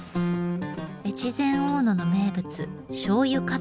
越前大野の名物しょうゆカツ丼。